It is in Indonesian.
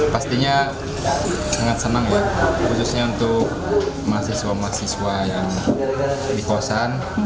pastinya sangat senang ya khususnya untuk mahasiswa mahasiswa yang di kosan